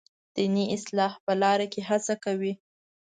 دیني اصلاح په لاره کې هڅه کوي.